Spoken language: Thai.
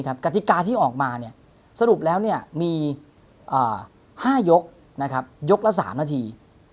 กติกาที่ออกมาสรุปแล้วมี๕ยกยกละ๓นาที